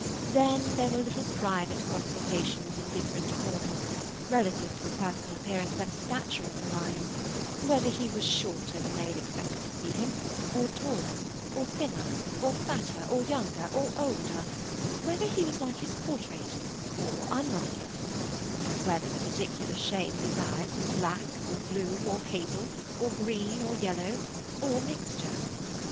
Then, there were little private consultations in different corners, relative to the personal appearance and stature of the lion; whether he was shorter than they had expected to see him, or taller, or thinner, or fatter, or younger, or older; whether he was like his portrait, or unlike it; and whether the particular shade of his eyes was black, or blue, or hazel, or green, or yellow, or mixture.